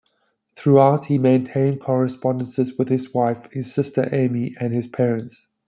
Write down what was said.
Throughout, he maintained correspondences with his wife, his sister Amy, and his parents.